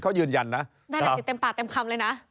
เขายืนยันนะได้หนักศิษย์เต็มปากเต็มคำเลยนะ